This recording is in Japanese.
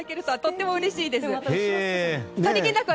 とてもうれしいです！